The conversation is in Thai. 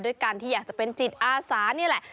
การที่อยากจะเป็นจิตอาสานี่แหละ